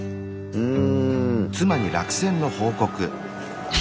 うん。